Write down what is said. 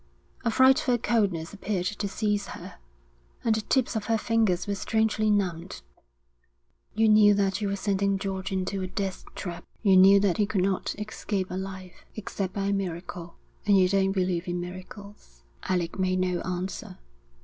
A frightful coldness appeared to seize her, and the tips of her fingers were strangely numbed. 'You knew that you were sending George into a death trap? You knew that he could not escape alive?' 'Except by a miracle.' 'And you don't believe in miracles?' Alec made no answer.